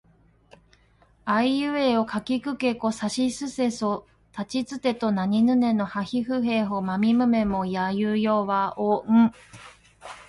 あいうえおかきくけこさしすせそたちつてとなにぬねのはひふへほまみむめもやゆよわをん